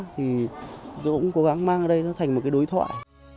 thì tôi cũng cố gắng mang ở đây nó thành một cái đối thoại